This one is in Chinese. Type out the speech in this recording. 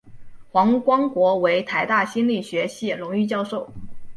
黄光国为台大心理学系荣誉教授。